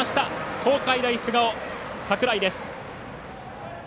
東海大菅生、櫻井です。